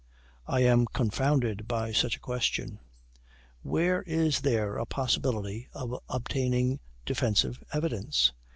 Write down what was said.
I am confounded by such a question. Where is there a possibility of obtaining defensive evidence?